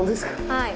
はい。